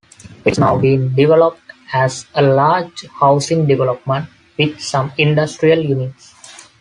It is now being developed as a large housing development with some industrial units.